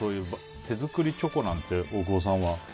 手作りチョコなんて大久保さんは。